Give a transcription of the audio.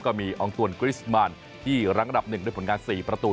ก็มีอองตวนกริสมานที่รั้งระดับ๑ด้วยผลงาน๔ประตู